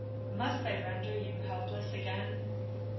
"Must I render you helpless again?"